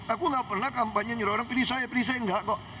aku gak pernah kampanye nyuruh orang pilih saya pilih saya enggak kok